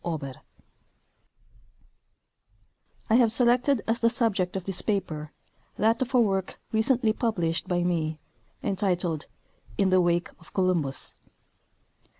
OBER I have selected as the subject of this paper that of a work re cently ]3ublished by me, entitled " In the Wake of Columbus."